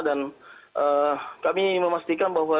dan kami memastikan bahwa